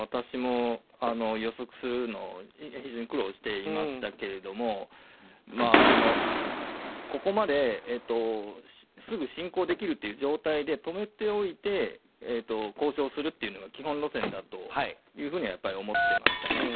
私も予測するの非常に苦労していましたけれどもここまですぐ侵攻できるという状態で止めておいて交渉するというのが基本路線だというふうには思っていましたね。